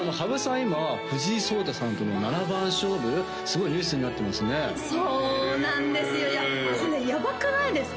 今藤井聡太さんとの七番勝負すごいニュースになってますねそうなんですよいやこれやばくないですか？